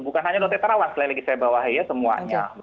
bukan hanya dr terawan selain legisai bawahnya semuanya